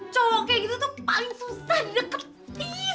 cowok kayak gitu tuh paling susah deket